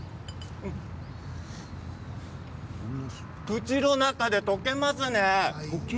口の中で溶けますね。